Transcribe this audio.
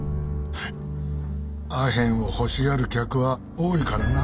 フッアヘンを欲しがる客は多いからな。